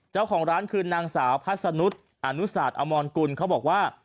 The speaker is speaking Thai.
เจ้าของร้านคือนางสาวพัศนุษย์อนุสาตอมรกุลเขาบอกว่า